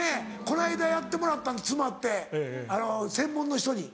この間やってもらった詰まって専門の人に。